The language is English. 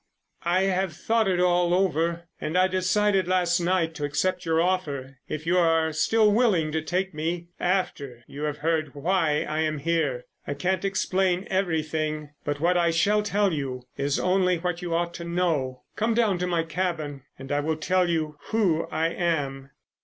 "I have thought it all over, and I decided last night to accept your offer if you are still willing to take me after you have heard why I am here. I can't explain everything, but what I shall tell you is only what you ought to know. Come down to my cabin and I will tell you who I am."